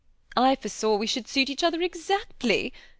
I foresaw we should suit each other exactly.